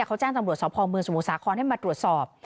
เขาแจ้งตำรวจสพเมืองสมุทรสาครให้มาตรวจสอบ